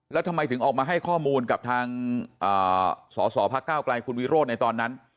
แล้วทำไมถึงออกมาให้ข้อมูลกับทางสสพักก้าวไกลคุณวิโรธในตอนนั้น